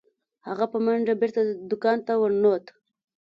هغه په منډه بیرته دکان ته ورنوت.